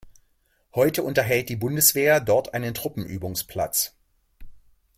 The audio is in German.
Heute unterhält die Bundeswehr dort einen Truppenübungsplatz.